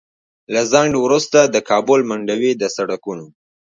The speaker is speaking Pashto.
له ځنډ وروسته د کابل منډوي د سړکونو